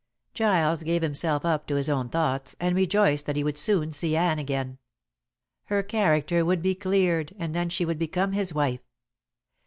Giles gave himself up to his own thoughts, and rejoiced that he would soon see Anne again. Her character would be cleared, and then she would become his wife.